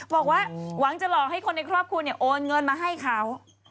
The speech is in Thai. บอกว่าหวังจะหลอกให้คนในครอบครัวโอนเงินมาให้เขา